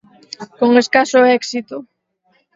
Con escaso éxito.